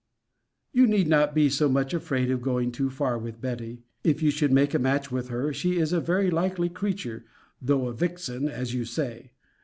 You need not be so much afraid of going too far with Betty. If you should make a match with her, she is a very likely creature, though a vixen, as you say.